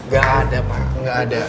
gak ada pak gak ada